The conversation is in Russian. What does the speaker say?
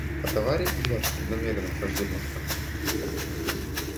От аварий или от преднамеренных враждебных актов?